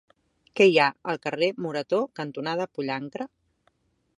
Què hi ha al carrer Morató cantonada Pollancre?